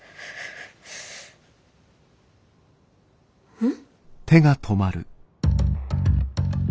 うん？